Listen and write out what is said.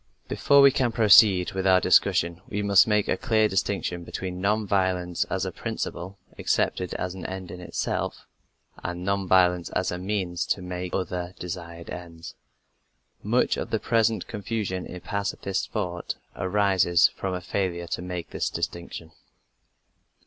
Before we can proceed with our discussion, we must make a clear distinction between non violence as a principle, accepted as an end in itself, and non violence as a means to some other desired end. Much of the present confusion in pacifist thought arises from a failure to make this distinction.